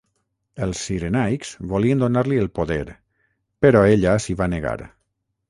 Els cirenaics volien donar-li el poder però ella s'hi va negar.